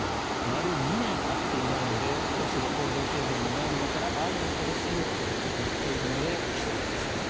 丸２年会っていないので今年は行動制限もないんだから会いに来てほしいよと言っているので帰省をします。